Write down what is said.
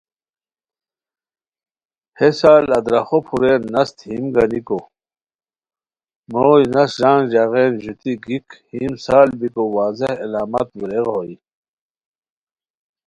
ہے سال ادراخو پھورین نست ہیم گانیکو مروئے نست ݱانگ ژاغین ژوتی گیک ہیم سال بیکو واضح علامت ویریغ ہوئے